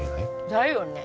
だよね！